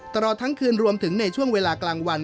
ตลอดทั้งคืนรวมถึงในช่วงเวลากลางวัน